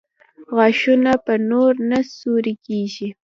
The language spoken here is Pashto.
غاښونه به نور نه سوري کېږي؟